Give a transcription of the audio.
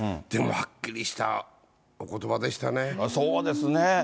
でも、はっきりしたおことばでしそうですね。